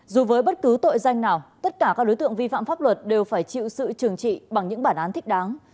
dù với bất cứ tội danh nào tất cả các đối tượng vi phạm pháp luật đều phải chịu sự trừng trị bằng những bản án thích đáng